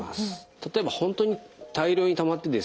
例えば本当に大量にたまってですね